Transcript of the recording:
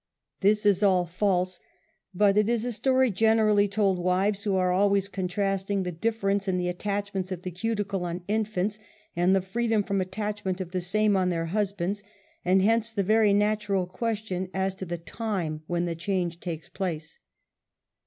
This is all false, but is a story gener ally told wives who are always contrasting the dif ference in the attachments of the cuticle on infants and the freedom from attachment of the same on their husbands, and hence the very natural question as to the time when, the change takes place.